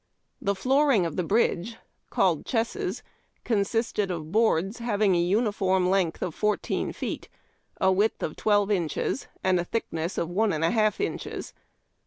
The flooring of the bridge, called chesses, consisted of boards having a uniform length of fourteen feet, a width of twelve inches, and a thickness of one and a half inches.